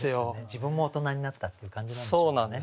自分も大人になったっていう感じなんでしょうね。